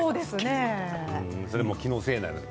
それも気のせいなんだよ。